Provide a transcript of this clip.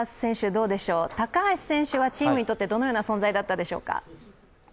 どうでしょう、高橋選手はチームにとってどのような存在だったでしょうか。